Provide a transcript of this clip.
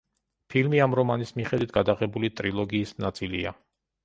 ფილმი ამ რომანის მიხედვით გადაღებული ტრილოგიის ნაწილია.